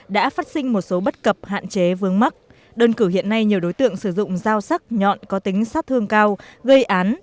đã phát sinh một số bất cập hạn chế vương mắc đơn cử hiện nay nhiều đối tượng sử dụng dao sắc nhọn có tính sát thương cao gây án